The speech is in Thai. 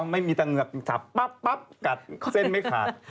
อ๋อไม่มีตังเงิกขับปั๊บกัดเส้นไม่ขาด